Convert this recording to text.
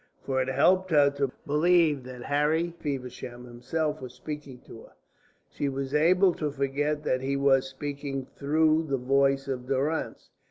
For it helped her to believe that Harry Feversham himself was speaking to her, she was able to forget that he was speaking through the voice of Durrance.